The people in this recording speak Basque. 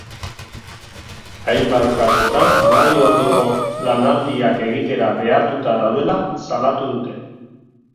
Hainbat kasutan, hamabi orduko lanaldiak egitera behartuta daudela salatu dute.